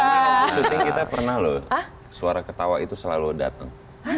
di syuting kita pernah loh suara ketawa itu selalu datang